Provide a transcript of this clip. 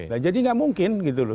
nah jadi nggak mungkin gitu loh